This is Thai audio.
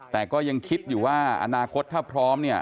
แต่ก็ยังคิดอยู่ว่าอนาคตถ้าพร้อมเนี่ย